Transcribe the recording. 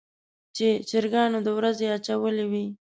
چې چرګانو د ورځې اچولې وي.